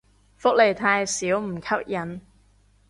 福利太少唔吸引